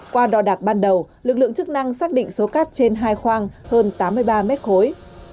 qua đo đạc ban đầu lực lượng chức năng xác định số cát trên hai khoang hơn tám mươi ba mét khối